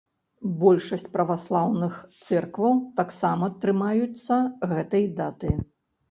Большасць праваслаўных цэркваў таксама трымаюцца гэтай даты.